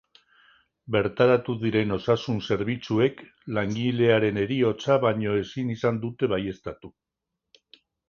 Bertaratu diren osasun zerbitzuek langilearen heriotza baino ezin izan dute baieztatu.